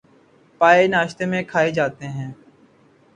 پائے ناشتے میں کھائے جاتے ہیں